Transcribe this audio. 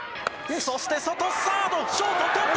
そして、外、サード、ショート、捕った。